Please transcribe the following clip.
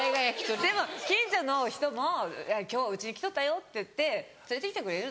でも近所の人も「今日うちに来とったよ」って言って連れてきてくれる。